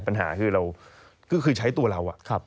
ปัญหาคือเราก็คือใช้ตัวเรา